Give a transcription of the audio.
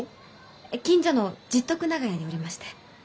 近所の十徳長屋におりまして。